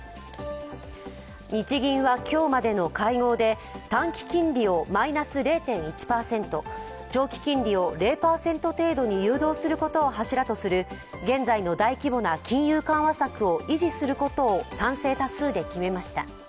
日銀は今日までの会合で短期金利をマイナス０．１％、長期金利を０％程度に誘導することを柱とする現在の大規模な金融緩和策を維持することを賛成多数で決めました。